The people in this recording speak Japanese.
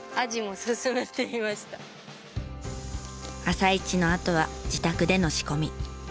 朝市のあとは自宅での仕込み。